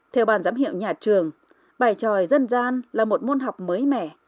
theo bàn giám hiệu nhà trường bài tròi dân gian là một môn học mới mẻ